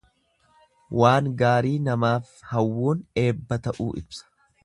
Waan gaarii namaaf hawwuun eebba ta'uu ibsa.